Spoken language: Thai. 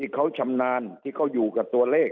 เขาชำนาญที่เขาอยู่กับตัวเลข